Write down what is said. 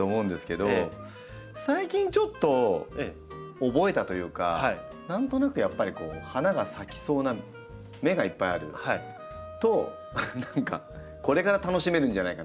最近ちょっと覚えたというか何となくやっぱりこう花が咲きそうな芽がいっぱいあると何かこれから楽しめるんじゃないかなと。